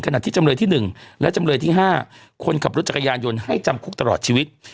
ที่จำเลยที่๑และจำเลยที่๕คนขับรถจักรยานยนต์ให้จำคุกตลอดชีวิต